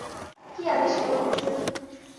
কী আদেশ করিতেছেন?